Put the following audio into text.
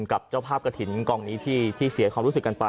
กับเจ้าภาพกระถิ่นกองนี้ที่เสียความรู้สึกกันไป